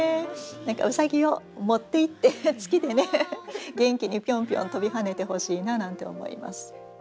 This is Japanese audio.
何かうさぎを持っていって月でね元気にピョンピョン跳びはねてほしいななんて思います。